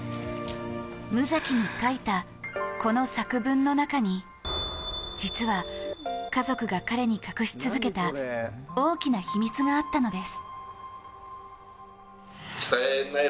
無邪気に書いた、この作文の中に実は家族が彼に隠し続けた、大きな秘密があったのです。